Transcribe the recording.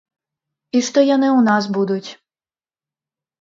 І што яны ў нас будуць.